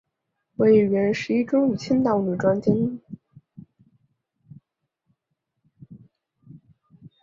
位于原十一中与青岛女专间的分隔墙原址。